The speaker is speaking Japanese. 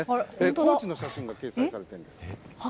コーチの写真が掲載されているんです。